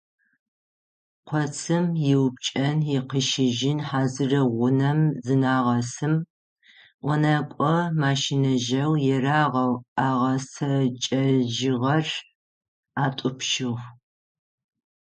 Коцым иупкӏэн, икъищыжьын хьазырэу гъунэм зынагъэсым, ӏонэкӏо машинэжъэу ерагъэу агъэцэкӏэжьыгъэр атӏупщыгъ.